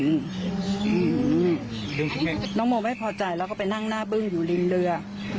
อือนักโมไม่พอใจไปนั่งหน้าบึ่งอยู่ลินเรือ